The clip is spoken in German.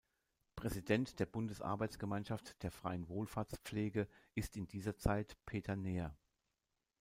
Präsident der Bundesarbeitsgemeinschaft der Freien Wohlfahrtspflege ist in dieser Zeit Peter Neher.